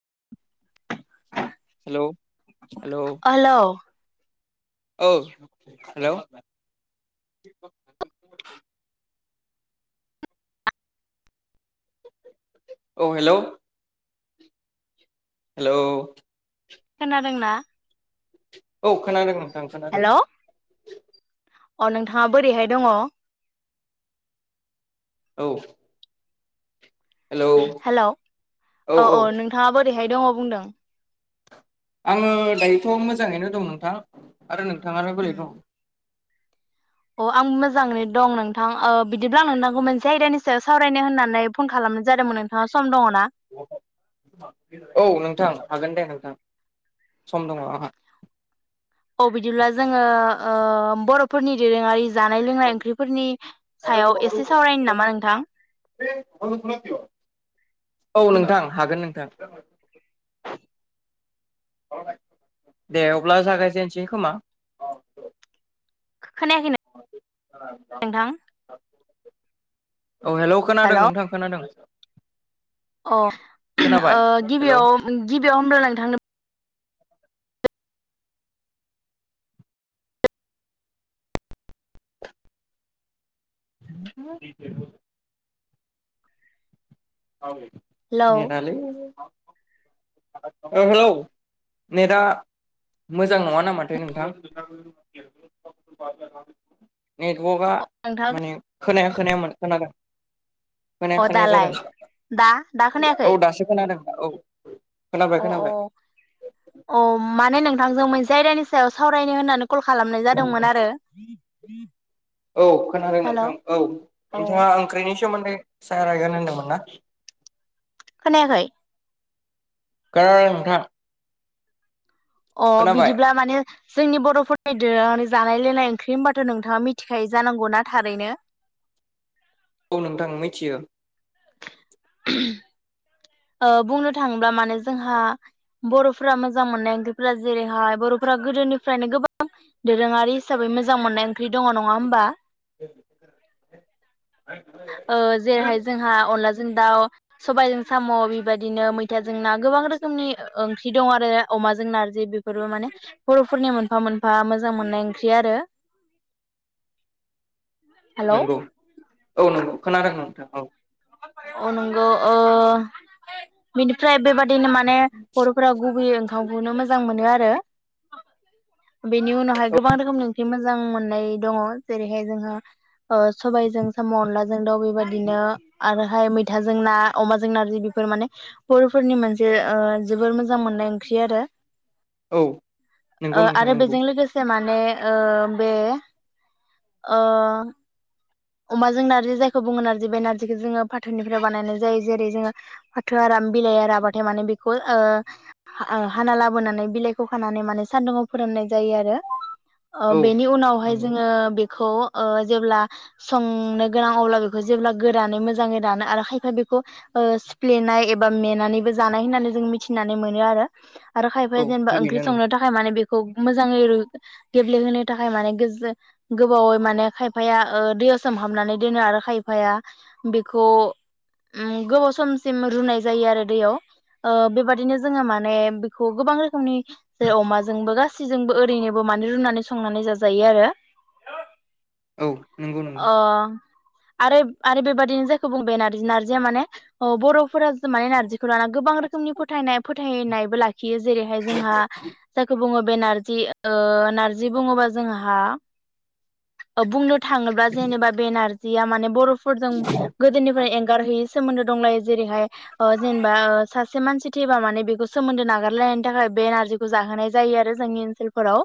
[inaudible] हेल हेल hello औ हेल औ hello hello खोनादोंना? औ खोनादों नों ओं खोनादों। हेलौ अ नोंथाङा बोरैहाय दङ औ हेलौ हेल औ औ नोंथाङाबो। बोरैहाय दङ बुंदों। आंङो दायोथ मोजाङैनो दं नोंथां आरो नोंथाङालाय बोरै दं औ आं मोजाङैनो दं नोंथां ओ बिदिब्ला आं नोंथांखौ मोनसे आयदानि सायाव सावरायनो होननानै फन खालामनाय जादोंमोन नोंथाङा सम दङ ना औ नोंथां हागोन दे नोंथां। सम दङ आंहा। औ बिदिब्ला जोंङो ओ बर'फोरनि दोरोङारि जानाय लोंनाय ओंख्रिफोरनि सायाव एसे सावरायनो नामा नोंथां। औ नोंथां हागोन नोंथां दे अब्ला जागायजेनसै खोमा? खोनायाखैनो नोंथां? औ हेलौ खोनादों नोंथां खोनादों। खोनाबाय अ हेलौ गिबियाव गिबियाव होमब्ला नोंथांनो [unintelligible] हेलौ नेरथालै हेलौ नेदा मोजां नङा नामाथो नोंथां? नेटवर्कआ नोंथां माने खोनाया [unintelligible] खोनादों खोनाया अ खोनाया जादों। दालाय दा दा औ खोनायाखै? दासो औ खोनाबाय अ अ खोनाबाय अ माने नों आंज मोनसे आयदानि सायाव सावरायनो होननानै कल खालामनाय जादोंमोन आरो। [inaudible] औ खोनादों हेल' नोंथां औ औ नोंथाङा ओंख्रिनि [unintelligible] खोनायाखै गानोथां। अ बिदिब्ला माने। जोंनि बरफोरनि जानाय लोंनाय ओंख्रि होनबाथ नोंथाङा मिथिखायो जानांगौना थारैनो। औ नोंथां मिथियो। बुंनो थाङोब्ला माने जोंहा बरफोरा मोजां मोननाय ओंख्रिफोरा जेरैहाय बरफोरा गोदोनिफ्रायनो गोबां दोरोङारि हिसाबै मोजां मोननाय ओं। ओंख्रि दङ नङा होमबा ओ जेरैहाय जोंहा अनला जों दाउ सबायजों, साम बेबायदिनो मैथाजों जोंना गोबां रोखोमनि ओ ओंख्रि दं आरो अमाजों नारजि बेफोरबो माने बर'फोरनि मोनफा मोनफा मोजां मोननाय ओंख्रि आरो हेलौ नंगौ औ नंगौ खोनादों नोंथां औ अ नंगौ ओ बिनिफ्राय बेबाद बिदिनो माने बरफोरा गुबैयै ओंखामखौनो मोजां मोनो आरो बेनि उनावहाय गोबां रोखोमनि ओंख्रि मोजां मोननाय दङ जेरैहाय जोंहा ओ सबायजों साम अनलाजों दाउ बेबायदिनो आरोहाय मैथाजों ना अमाजों नारजि बेफोर माने बरफोरनि मोनसे ओ जोबोर मोजां मोननाय ओंख्रि आरो औ नंगौ ओ नोंथां आरो नंगौ बेजों लोगोसे मान माने ओ बे ओ अमाजों नारजि जायखौ बुङो नारजि बे नारजिखौ जोङो फाथोनिफ्राय बानायनाय जायो जेरै जोङो फाथो आराम बिलाइ आरा बाथाय माने बेखौ ओ हाना लाबोनानै बिलाइखौ खानानै माने सान्दुुंआव फोराननाय जायो आरो ओ औ बेनि उनावहाय नंगौ जोङो खौ ओ जेब्ला संनो गोनां अब्ला बेखौ जेब्ला गोरानै मोजाङै रानो आरो खायफा बेखौ ओ सिफ्लेनाय एबा मेनानैबो जानाय होननानै जों मिथिनानै मोनो आरो आरो औ खायफाया जेनेबा थारैनो ओंख्रि संनो नोंथां थाखाय माने बे खौ मोजाङै गेब्ले होनो थाखाय माने गोजो गोबावै माने खायफाया, ओ दैयाव सोमहाबनानै दोनो आरो खायफाया बेखौ गोबाव ओ समसिम रुनाय जायो आरो दैयाव बेबादिनो जोङो माने बेखौ गोबां रोखोमनि जेरै अमाजोंबो गासैजोंबो ओरैनोबो माने रुनानै संनानै जाजायो आरो औ नंगौ नंगौ अ आरो आरो बेबायादिनो जायखौ बुंबाय नारजि नार्जिया माने ओ बरफोरा माया नारजि खौ लाना गोबां रोखोमनि फोथायनाय फोथ फोथाय नायबो लाखि खियो जेरैहाय जोंहा जायखौ बुङो बे नारजि ओ नारजि बुङोबा जोंहा ओ फ्लुट थाङोब्ला जेनेबा बे नार जिया माने फ्रुब फोरजों गोदोनिफ्राय एंगार हायि सोमोन्दो दंलायो जेरैहाय ओ जेनेबा सासे मानसि थैबा माने बेखौ सोमोन्दो नागारलायनायनि थाखाय बे नारजिखौ जाहोनाय जायो आरो जोंनि ओनसोलफोराव,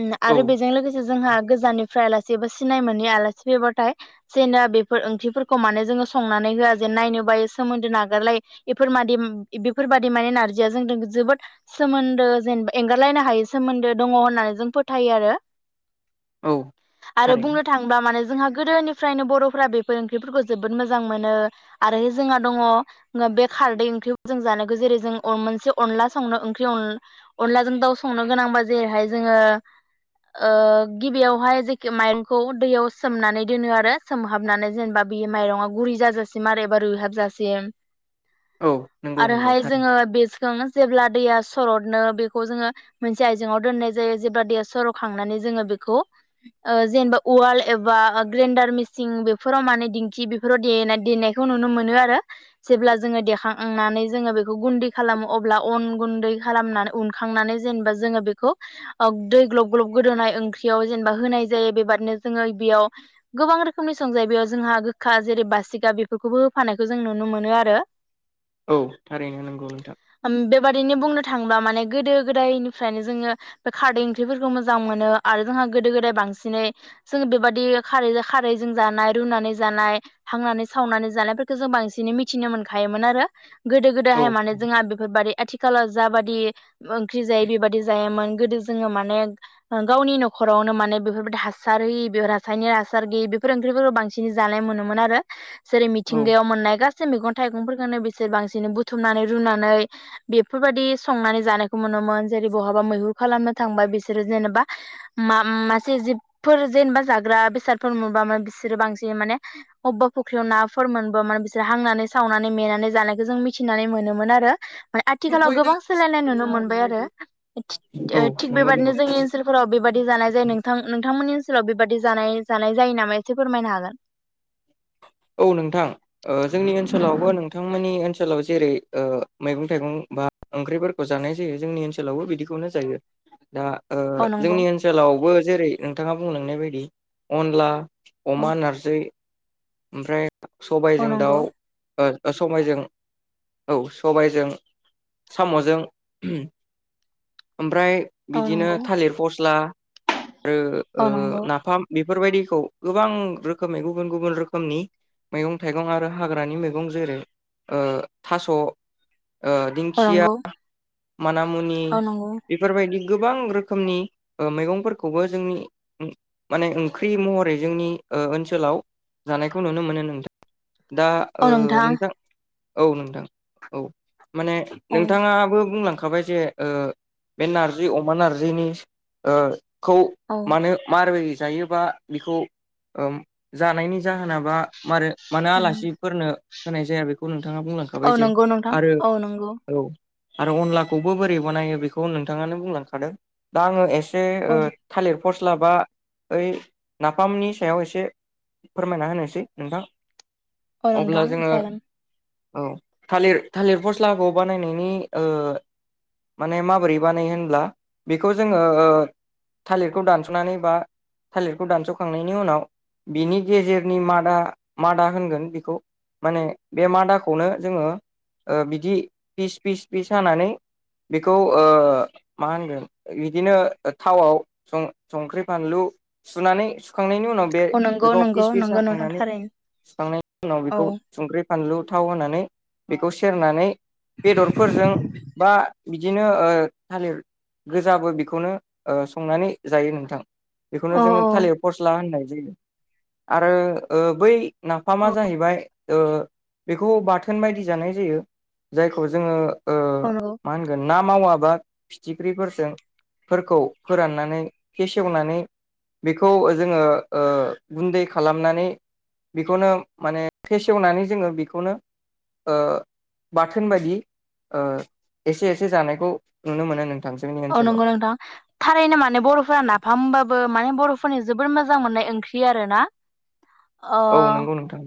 ओम औ आरो बेजों लोगोसे जोंहा गोजाननिफ्राय आलासि सिनाय मोनै आलासि फैयोबाथाय जेनेबा बेफोर ओंख्रिफोरखौ माने जोङो संनानै होआ जेन नायनो बायो सोमोन्दो नागारलायो बेफोरबादि बेफोरबादि माने नारजिया जों जोबोद सोमोन्दो जेनबा एंगारलायनो हायि सोमोन्दो दङ होननानै जों फोथायो आरो औ आरो थारैनो बुंनो थाङोबा माने जों जोंहा गोदोनिफ्रायनो बरफोरा बेफोर ओंख्रिफोरखौ जोबोद मोजां मोनो आरो जोंहा दङ ओ बे खारदै ओंख्रिखौ जों जानो जेरै जों मोनसे अनला संनो ओं अनला अनलाजों दाउ संनो गोनांबा जेरैहाय जोङो ओ गिबियावहाय [unintelligible] माइरंखौ दैयाव सोमनानै दोनो आरो सोमहाबनानै जेनेबा बे माइरङा गुरै जाजासिम आरो एबा रैहाबजासिम औ नंगौ नंगौ आरोहाय थारैनो जोङो बे जोंनो जेब्ला दैया सरनो बेखौ जोङो मोनसे आयजेंआव दोननाय जायो जेब्ला दैया सर खांनानै जोङो बेखौ ओ-जेनेबा उवाल एबा ग्रेन्डार मेसिन बेफोराव माने दिंखि बेफोराव देनायखौ नुनो मोनो आरो जेब्ला जोङो देखांनानै जोङो बेखौ गुन्दै खालामो अब्ला अन गुन्दै खालामनानै उनखांनानै जेनेबा जोङो बेखौ दै ग्लब ग्लब गोदौनाय ओंख्रियाव जेनेबा होनाय जायो। बेबादिनो जोङो बेयाव गोबां रोखोमनि संजायो बेयाव जोंहा गोखा जेरै बासिबार बेफोरखौबो होफानायखौ जों नुनो मोनो आरो। औ थारैनो नांगौ नोंथां। बेबाददिनो बुंनो थाङोब्ला माने गोदो गोदायनिफ्रायनो जोङो बे खारदै ओंख्रिफोरखौ मोजां मोनो आरो जोंहा गोदो गोदाय बांसिन। सिनै जोङो बेबादि खारै खारैजों जानाय रुनानै जानाय हांनानै सावनानै जानायफोरखौ जों बांसिनै मिथिनो मोनखायोमोन आरो गोदो औ गोदायहाय माने जोंहा बेफोरबायदि आथिखाल। आथिखालाव जाबादि ओंख्रि जायो बेबादि जायामोन गोदो जोङो माने गावनि न'खरावनो माने बेफोरबायदि हासारि बे रासायनिक हासार गैयि बेफोर ओंख्रिफोरखौ बांसिन जानाय मोनोमोन आरो। जेरै मिथिंगायाव मोननाय गासै मैगं। थाइगंफोरखौनो बिसोर बांसिन बुथुमनानै रुनानै बेफोरबायदि संनानै जानायखौ मोनो [unintelligible] जेरै बहाबा मैहुर खालामनो थांबाय बिसोरो जेनेबा मासे जिबि। फोर जेनेबा जाग्रा बेसादफोर मोनबा बिसोरो बांसिन माने अबेबा फुख्रियाव नाफोर मोनबा माने बिसोर हांनानै सावनानै मेनानै जानायखौ जों मिथिनानै मोनोमोन आरो। औ आथिखालाव गोबां सोलायनाय नुनो मोनबाय आरो थिग नंगौ नंगौ बेबादिनो जोंनि ओनसोलफोराव बेबादि जानाय जायो नोंथां। नोंथांमोननि ओनसोलाव बेबादि जानाय, जानाय जायो नामा एसे फोरमायनो हागोन? औ नोंथां ओ जोंनि ओनसोलावबो नोंथांमोननि ओनसोलाव जेरै ओ मैगं थाइगं बा ओंख्रिफोरखौ जानाय जायो जोंनि ओनसोलावबो बिदिखौनो जायो। दा ओ औ नंगौ जोंनि ओनसोलावबो जेरै नोंथाङा बुंलांनाय बायदि अनला, औ अमा नारजि, ओमफ्राय- औ सबायजों नंगौ दाउ,। ओ-सबायजों औ सबायजों सामजों, ओमफ्राय। औ बिदिनो नंगौ थालिर फस्ला ओ ओ औ नंगौ नाफाम बेफोर बेफोरबायदिखौ गोबां रोखोमै गुबुन गुबुन रोखोम। खोमनि मैगं थाइगं आरो हाग्रानि मैगं जेरै ओ थास' ओ औ दिंखिया। नंगौ मानिमुनि औ नंगौ बेफोरबायदि। गोबां रोखोमनि ओ- मैगंफोरखौबो जोंनि माने ओंख्रि महरै जोंनि ओ- ओनसोलाव जानायखौ नुनो मोनो नोंथां। दा ओ- नोंथां। औ नोंथां, औ। माने औ नोंथाङाबो। बुंलांखाबाय जे ओ- बे नारजि, अमा नारजिनि ओ। खौ औ मानो, मारै जायोबा बेखौ ओम जानायनि जाहोनाबा मारो मानो उम आलासिफोरनो होनाय जाया बेखौ नों नोंथाङा औ बुंलांखाबाय जे नंगौ नोंथां आरो औ नंगौ औ आरो अनलाखौबो बोरै बानायो बेखौ नोंथाङानो बुंलांखादों दा आङो एस से ओ औ थालिर फस्लाबा ओइ नाफामनि सायाव एसे फोरमायना होनोसै नोंथां। अ अब्ला नोंथां जोङो जागोन। औ थालिर थालिर फस्लाखौ बानायनायनि ओ माने माबोरै बानायो होनब्ला बेखौ जोङो ओ थालिरखौ दानसनानै बा थालिरखौ दानसखांनायनि उनाव बिनि गेजेरनि मादा मादा होनगोन बेखौ माने बे मादाखौनो जोङो ओ बिदि फिस फिस फिस सानानै बेखौ ओ मा होनगोन बिदिनो थावआव स-संख्रि फानलु सुनानै सुखांनायनि उ उनाव बे औ नंगौ बेखौ नंगौ फिस फिस नंगौ नोंथां हाखांनानै थारैनो सुखांनायनि उनाव औ बेखौ संख्रि फानलु थाव होनानै बेखौ सेरनानै बेदर बा बिदिनो ओ थालिर गोजाबो बेखौनो ओ संनानै जायो नोंथां बेखौनो औ जोङो थालिर फस्ला होननाय जायो आरो ओ बै नाफामा औ जाहैबाय ओ बेखौ बाथोन बायदि जानाय जायो जायखौ जोङो ओ औ नंगौ मा होनगोन ना मावाबा फिथिख्रिफोरजों फोरखौ फोराननानै फेसेवनानै बेखौ जोङो ओ गुन्दै खालामनानै बेखौनो माने फेसेवनानै जोङो बेखौनो ओ बाथोन बायदि ओ एसे एसे जानायखौ नुनो मोनो नों औ नंगौ नोंथां थारैनो माने बरफोरा नाफाम होबाबो माने बर फोरनि जोबोद मोजां मोननाय ओंख्रि आरो ना ओ औ नंगौ नोंथां।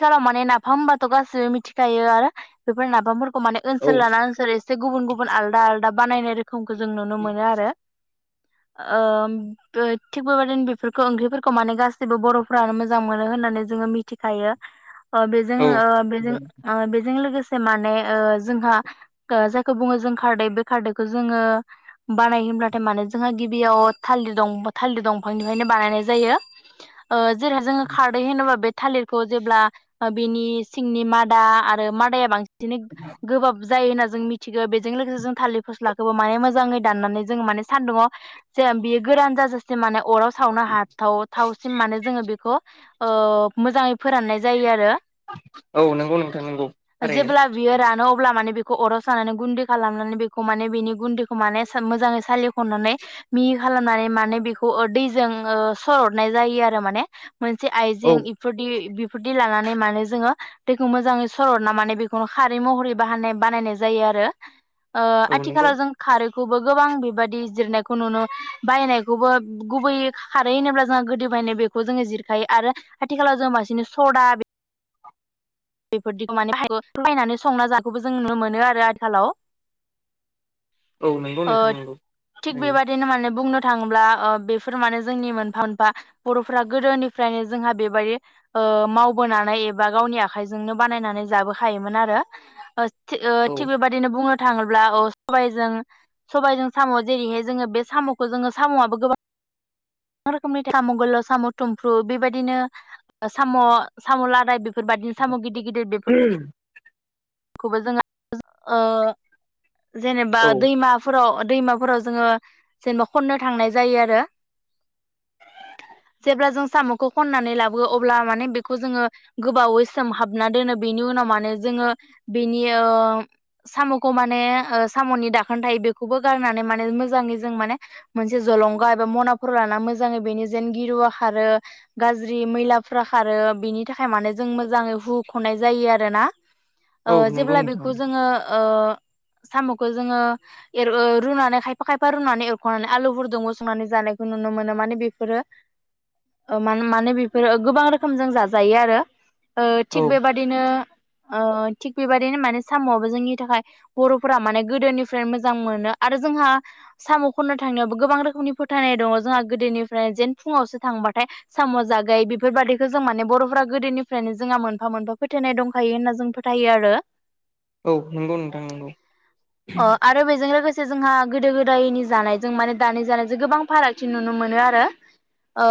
आथिखालाव माने नाफाम होनबाथ' गासैबो मिथिखायो आरो बेफोर नाफामफोरख माने औ ओनसोल लाना ओसोल एसे गुबुन गुबुन आलदा आल दा बानायनो रो खोमखौ जों नुनो मोनो आरो। ओब थिग बेबायदिनो बेफोरखौ ओंख्रिफोरखौ माने गास जेबो बर'फ्रानो मोजां मोनो होननानै जोङो मिथिखायो अ बेजों औ ओ बेजों ओ बेजों लोगोस माने ओ जोंहा ओ जायखौ बुङो जों खारदै बे खारदैखौ जोङो बानाय होमब्लाथाय मानो जोंहा गिबियाव थालिर दं थालिर दंफांनिफ्रायनो बानायनाय जायो ओ जेरै जोङो खारदै होनोबा बेद थालिरखौ जेब्ला बिनि सिंनि मादा आरो मादाया बांसि बिदिनो गोबाब जायो होनना जों मिथिगौ बेजों लोगोसे जों थालिर फोस्ला खौबो माने मोजाङै दाननानै जोङो माने सानदुंआव जे बियो गोरान जाजासेम माने अराव सावनो हाथाव थावसिम माने जोङो बेख ओ मोजाङै फोराननाय जायो आरो औ नंगौ नोंथां नंगौ थारैनो जेब्ला बियो रानो अब्ला माने बे खौ अराव सानानै गुन्दै खालामनानै बेखौ माने बेनि गुन्दैखौ माने मोजाङै सालिखननानै मिहि खालामनानै माने बेखौ ओ दैजों सरहरनाय जायो आरो माने मोनसे औ आइजें इफोरदि बिब फुदि लानानै माने जोङो दैखौ मोजाङै सरहरना माने बेखौनो खारै महरै बाहा [unintelligible] बानायनाय जायो आरो ओ औ आथि नंगौ खेलाजों खारो खौबो गोबां बेबादि जिरनायखौ नुनो बायनायखौबो गुबैयै खारै होनोब्ला जोंहा गोदो बायनाय बेखौ जोङो जिरखायो आरो आथिखालाव जों बांसिनो सदा बेफोरदिखौ माने फायनानै संना जानायखौबो जों नुनो मोनो आरो आथिखालाव औ नंगौ ओ नोंथां नंगौ थिग थारैनो बेबादिनो माने बुंनो थाङोब्ला बेफोर माने जोंनि मोनफा मोनफा बरफोरा गोदोनिफ्रायनो जोंहा बेबायदि ओ मावबोनानै एबा गावनि आख आखाइजोंनो बानायनानै जाबोखायोमोन आरो ओ थि ओ औ थिग बेबादिनो बुङोद थाङोब्ला अ सबायजों सबायजों साम' जेरैहाय जोङो बे सामखौ जोङो साम'आबो गोबां रोखोमनि साम' गोलाव साम' थुमफ्रु बेबायदिनो ओ साम' साम' लादाय बेफोरबादिन साम' गिदिर गिदिर बेफोर खौबो जोङो ओ जेनेबा औ दैमाफोराव दैमाफोराव जोङो जेनेबा खननो थांनाय जायो आरो जेब्ला जों सामखौ खननानै लाबो अब्ला माने बेखौ जोङो गोबावै सोम हाबना दोनो बेनि उनाव माने जोङो बेनि ओ साम खौ माने ओ साम नि दाखोन थायो बेखौबो गारनानै माने मोजाङै जों माने मोनसे जलंगा एबा मनाफोर लाना मोजाङै बेनि जेन गिरुवा खारो गाज्रि मैलाफोरा खारो बेनि थाखाय माने जों मोजाङै हुख नाय जायो आरोना औ ओ नंगौ जेब्ला नोंथां बेखौ जोङो ओ साम' खौ जोङो एर ओ रुनानै खायफा खायफा रुनानै एरखनानै आलुफोरदुंबो संनानै जानायखौ नुनो मोनो माने बेफोरो ओ मान माने बेफोरो गोबां रोखोम जों जाजायो आरो ओ औ थिग बेबादिनो ओद थिग बेबायदिनो माने साम आबो जोंनि थाखाय बर' फोरा माने गोदोनिफ्रायनो मोजां मोनो आरो जोंहा साम खननो थांनायावबो गोबां रोखोमनि फोथायनाय दङ जोंहा गोदोनिफ्राय जेन फुङावसो थांबाथाय साम' जागाय बेफोरबादिखौ जों माने बर' फोरा गोदोनिफ्रायनो जोंहा मोनफा मोनफा फोथायनाय दंखायो होनना जों फो जायो आरो औ नंगौ नोंथां नंगौ। सो जोंहा गोदो गोदायनि जानायजों माने दानि जानायजों गोबां फारागथि नुनो मोनो आरो ओ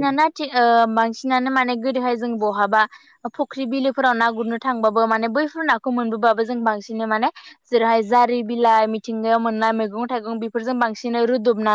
औ ना थि ओ मांसिनानो माने गोदोहाय जों बहाबा फख्रि बिलोफोराव ना गुरनो थांबा बो माने बैफोर नाखौ मोनबोबाबो जों बांसिनो माने जेरैहाय जारि बिलाइ मिथिंगायाव मोननाय मैगं थाइगं बेफोरजों बांसिनै रुदबना